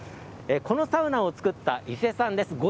このサウナを作った伊勢さんです。